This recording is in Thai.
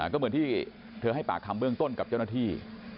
ก็เหมือนที่เธอให้ปากคำเบื้องต้นกับเจ้าหน้าที่